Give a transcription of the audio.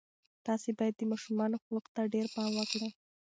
تاسې باید د ماشومانو خوب ته ډېر پام وکړئ.